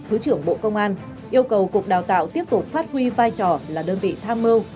thứ trưởng bộ công an yêu cầu cục đào tạo tiếp tục phát huy vai trò là đơn vị tham mưu